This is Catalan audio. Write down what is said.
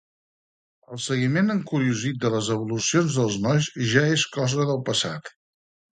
El seguiment encuriosit de les evolucions dels nois ja és cosa del passat.